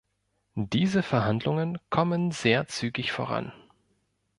Diese Verhandlungen kommen sehr zügig voran.